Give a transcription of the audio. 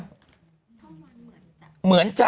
ช่อง๑เหมือนจ้ะ